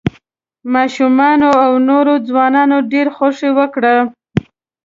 ماشومانو او نوو ځوانانو ډېره خوښي وکړه.